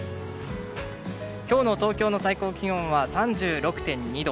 今日の東京の最高気温は３６．２度。